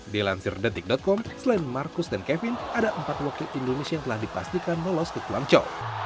di lansirdetik com selain marcus dan kevin ada empat wakil indonesia yang telah dipastikan melolos ke kuangjo